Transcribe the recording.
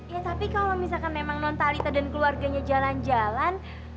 ya tapi kalau misalkan memang non talita dan keluarganya jalan jalan